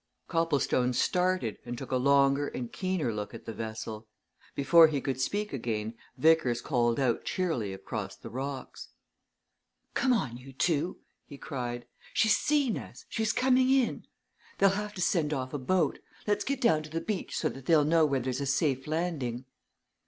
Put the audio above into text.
Copplestone started, and took a longer and keener look at the vessel. Before he could speak again, Vickers called out cheerily across the rocks. "Come on, you two!" he cried. "She's seen us she's coming in. They'll have to send off a boat. Let's get down to the beach, so that they'll know where there's a safe landing."